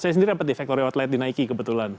saya sendiri dapat di factory outlet di nike kebetulan